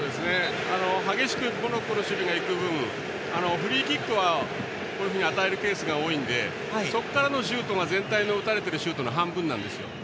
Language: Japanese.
激しくモロッコの守備がいく分フリーキックはこういうふうに与えるケースは多いんでそこからのシュートが全体に打たれているシュートの半分なんですよ。